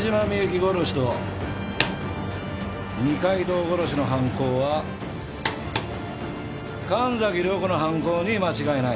殺しと二階堂殺しの犯行は神崎涼子の犯行に間違いない。